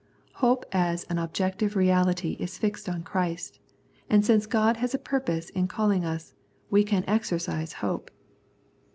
Hope as an ob jective reality is fixed on Christ, and since God has a purpose in calling us, we can exer cise hope.